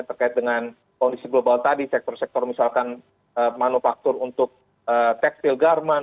terkait dengan kondisi global tadi sektor sektor misalkan manufaktur untuk tekstil garmen